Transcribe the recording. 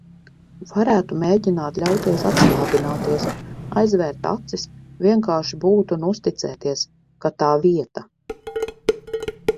Varētu mēģināt ļauties atslābināties, aizvērt acis, vienkārši būt un uzticēties, ka tā vieta.